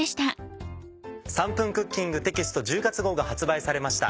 『３分クッキング』テキスト１０月号が発売されました。